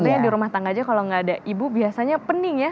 contohnya di rumah tangga aja kalau nggak ada ibu biasanya pening ya